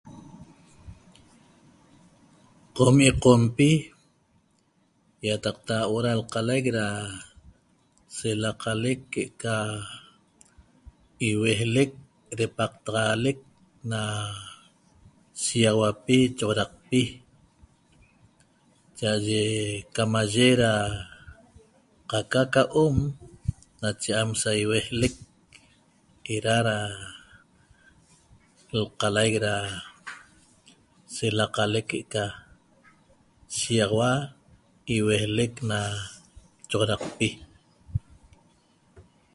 Qomi' Qompi ýataqta huo'o da lqalaic da selaqalec que'eca iuejlec depaqtaxaalec na shiýaxauapi choxodaqpi cha'aye camaye da qaca ca om nache am sa iuejlec eda da lqalaic da selaqalec que'eca shiýaxaua iuejlec na choxodaqpi